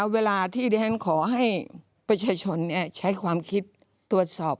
เวลาที่ดิฉันขอให้ประชาชนใช้ความคิดตรวจสอบ